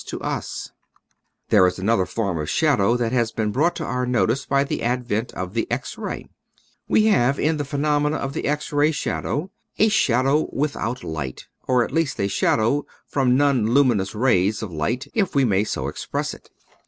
, i . Original from UNIVERSITY OF WISCONSIN Sba&ow*. 217 There is another form of shadow that has been brought to our notice by the advent of the X ray. We have in the phenomenon of the X ray shadow, a shadow without light — or at least a shadow from nonluminous rays of light, if we may so express it.